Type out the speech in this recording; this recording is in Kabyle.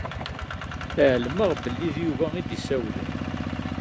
Ɛelmeɣ belli d Yuba i d-isawlen.